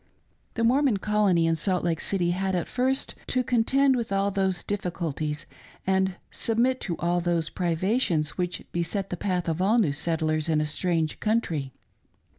The Mormon Colony in Salt Lake City had at first to qontend with all those difficulties and submit to all those privations which beset the path of all new settlers in a strange country.